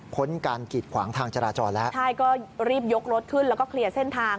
้นการกีดขวางทางจราจรแล้วใช่ก็รีบยกรถขึ้นแล้วก็เคลียร์เส้นทาง